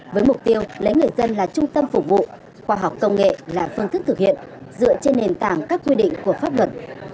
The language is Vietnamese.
với mục tiêu lấy người dân là trung tâm phục vụ khoa học công nghệ là phương thức thực hiện dựa trên nền tảng các quy định của pháp luật